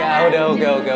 ya udah oke oke